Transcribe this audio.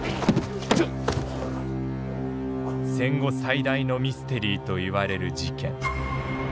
戦後最大のミステリーといわれる事件。